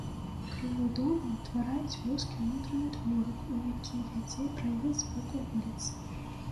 Крылы дома ўтвараюць вузкі ўнутраны дворык, у які вядзе праезд з боку вуліцы.